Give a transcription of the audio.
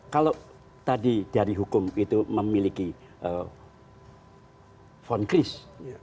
kalau tadi dari hukum itu memiliki von christ